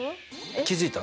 気付いた？